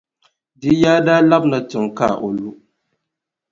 Di yaa daa labina tiŋa ka o lu.